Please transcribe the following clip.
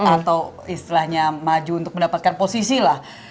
atau istilahnya maju untuk mendapatkan posisi lah